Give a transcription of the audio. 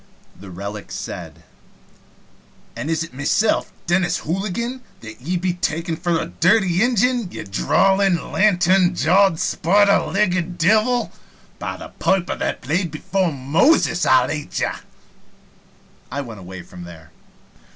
The relic said: "An' is it mesilf, Dennis Hooligan, that ye'd be takon' for a dirty Injin, ye drawlin', lantern jawed, spider legged divil! By the piper that played before Moses, I'll ate ye!" I went away from there.